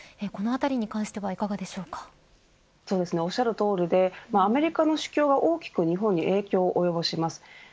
このあたりに関してはおっしゃるとおりでアメリカの市況は大きく日本に影響をおよぼします。